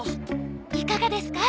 いかがですか？